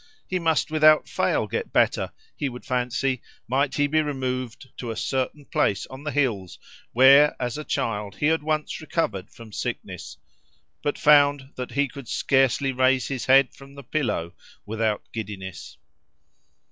He must without fail get better, he would fancy, might he be removed to a certain place on the hills where as a child he had once recovered from sickness, but found that he could scarcely raise his head from the pillow without giddiness.